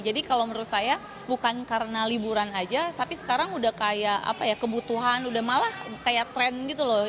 jadi kalau menurut saya bukan karena liburan aja tapi sekarang udah kayak kebutuhan udah malah kayak tren gitu loh